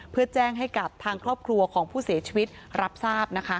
เพื่อแจ้งให้กับทางครอบครัวของผู้เสียชีวิตรับทราบนะคะ